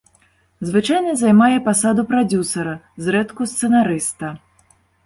Звычайна займае пасаду прадзюсара, зрэдку сцэнарыста.